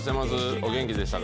お元気でしたか？